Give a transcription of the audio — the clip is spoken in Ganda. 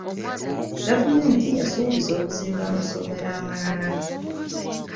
Gavumenti yasuubiza okuzimba amasomero amalala.